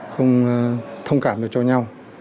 không thông cảm được cho nhau